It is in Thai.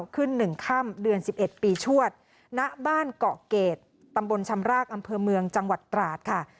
ขึ้น๑ค่ำเดือน๑๑ปีชวดณบ้านเกาะเกรดตำบลชำรากอำเภอเมืองจังหวัดตราดค่ะ